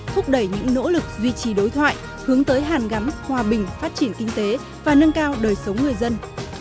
thúc đẩy những nỗ lực duy trì đối thoại hướng tới hàn gắn hòa bình phát triển kinh tế và nâng cao đời sống người dân